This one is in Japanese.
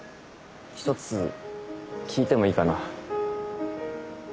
ひとつ聞いてもいいかな？